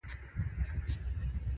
ګونګ یې کی زما تقدیر تقدیر خبري نه کوي.